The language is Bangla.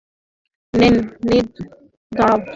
নেয় নি, দাঁড়াও।